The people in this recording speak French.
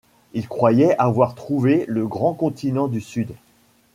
Il croyait avoir trouvé « le grand continent du Sud.